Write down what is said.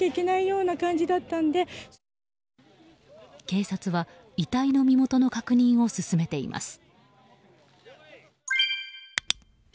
警察は遺体の身元の確認を進めています。